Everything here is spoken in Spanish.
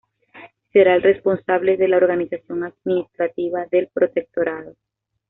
Será el responsable de la organización administrativa del protectorado.